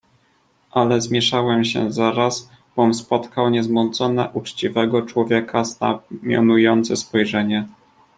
"Ale zmieszałem się zaraz, bom spotkał niezmącone, uczciwego człowieka znamionujące, spojrzenie."